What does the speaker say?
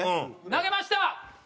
投げました！